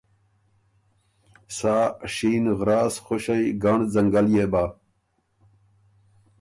سا شین غراس خُوݭئ ګنړ ځنګل يې بۀ۔